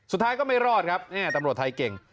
สุดท้ายก็ไม่รอดครับเนี่ยตำรวจไทยเก่ง